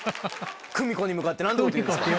公美子に向かって何てこと言うんですか。